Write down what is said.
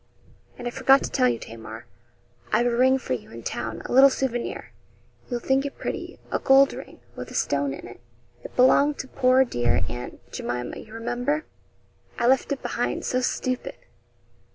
'And I forgot to tell you, Tamar, I've a ring for you in town a little souvenir; you'll think it pretty a gold ring, with a stone in it it belonged to poor dear Aunt Jemima, you remember. I left it behind; so stupid!'